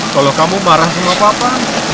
kalau kamu marah sama papa